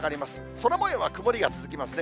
空もようは曇りが続きますね。